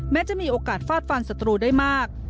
จะมีโอกาสฟาดฟันศัตรูได้มาก